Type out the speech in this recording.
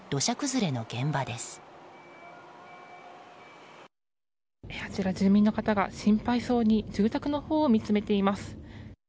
住人の方が心配そうに住宅のほうを見つめています。